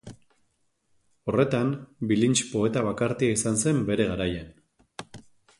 Horretan, Bilintx poeta bakartia izan zen bere garaian.